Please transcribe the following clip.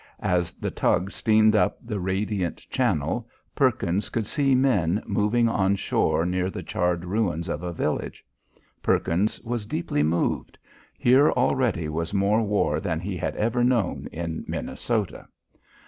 As the tug steamed up the radiant channel, Perkins could see men moving on shore near the charred ruins of a village. Perkins was deeply moved; here already was more war than he had ever known in Minnesota.